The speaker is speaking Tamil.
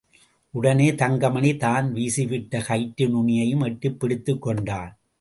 உடனே தங்கமணி தான் வீசிவிட்ட கயிற்று நுனியையும் எட்டிப் பிடித்துக்கொண்டான்.